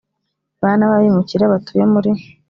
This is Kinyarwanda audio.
bana b abimukira batuye muri